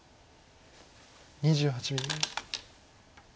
２８秒。